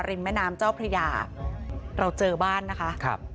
แม่น้ำเจ้าพระยาเราเจอบ้านนะคะครับ